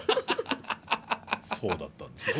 そうだったんですね？